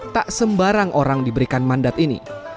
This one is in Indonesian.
tak sembarang orang diberikan mandat ini